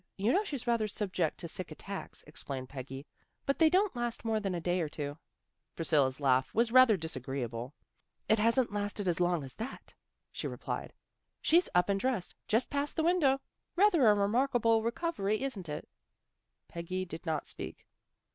You know she's rather subject to sick attacks," ex plained Peggy. " But they don't last more than a day or two." Priscilla's laugh was rather disagreeable. " It hasn't lasted as long as that," she replied. " She's up and dressed. Just passed the window. Rather a remarkable recovery, isn't it? " Peggy did not speak.